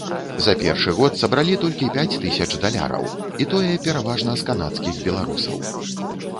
За першы год сабралі толькі пяць тысячаў даляраў, і тое пераважна з канадскіх беларусаў.